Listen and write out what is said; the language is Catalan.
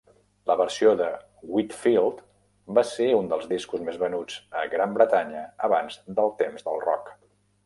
La versió de Whitfield va ser un dels discos més venuts a Gran Bretanya abans dels temps del rock.